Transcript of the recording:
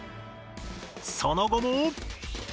その後も。